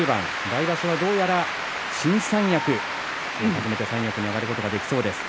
来場所はどうやら新三役初めて三役に上がることができそうです。